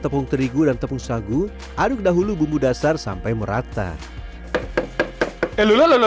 tepung terigu dan tepung sagu aduk dahulu bumbu dasar sampai merata lulu lulu lulu